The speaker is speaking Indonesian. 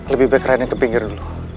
lebih baik kerennya ke pinggir dulu